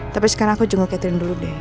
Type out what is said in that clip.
tapi sekarang aku jenguk catherine dulu deh